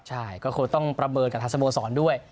ใช่ก็คงต้องประเมินกับทางสโมสรด้วย